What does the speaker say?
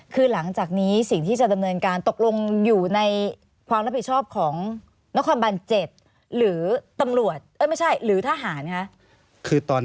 คือหลังจากนี้สิ่งที่จะดำเนินการตกลงอยู่ในความรับผิดชอบของนครบัน๗หรือทหารค่ะ